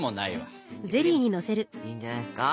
いいんじゃないですか！